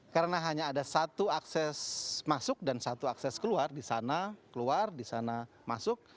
karena hanya ada satu akses masuk dan satu akses keluar di sana keluar di sana masuk